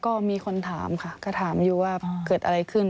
ก็มีคนถามค่ะก็ถามอยู่ว่าเกิดอะไรขึ้น